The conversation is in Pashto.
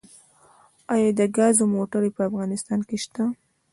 آیا د ګازو موټرې په افغانستان کې شته؟